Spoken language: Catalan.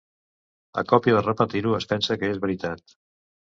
A còpia de repetir-ho es pensa que és veritat.